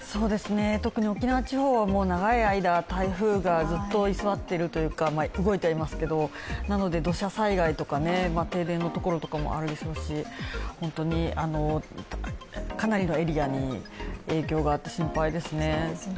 特に沖縄地方は長い間、台風がずっと居座っているというか、動いてはいますけどなので土砂災害とか停電のところとかあるでしょうし本当にかなりのエリアに影響があって、心配ですね。